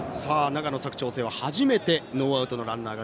長野・佐久長聖は初めてのノーアウトのランナー。